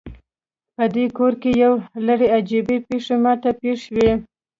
پدې کور کې یو لړ عجیبې پیښې ما ته پیښ شوي